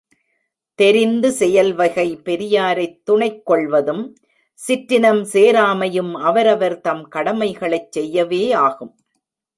தெரிந்து செயல்வகை பெரியாரைத் துணைக்கொள்வதும் சிற்றினம் சேராமையும் அவரவர் தம் கடமைகளைச் செய்யவே ஆகும்.